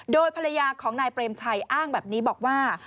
โดยภรรยาของนายเปรมชัยอ้างแบบนี้บอกว่า